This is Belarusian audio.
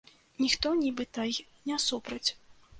Ніхто нібыта й не супраць.